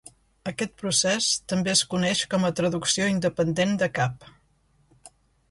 Aquest procés també es coneix com a traducció independent de cap.